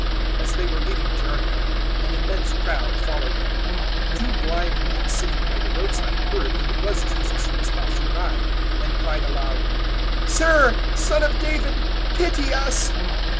020:029 As they were leaving Jericho, an immense crowd following Him, 020:030 two blind men sitting by the roadside heard that it was Jesus who was passing by, and cried aloud, "Sir, Son of David, pity us."